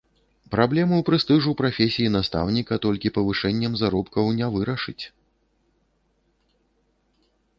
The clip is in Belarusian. Праблему прэстыжу прафесіі настаўніка толькі павышэннем заробкаў не вырашыць.